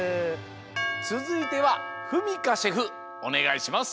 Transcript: つづいてはふみかシェフおねがいします。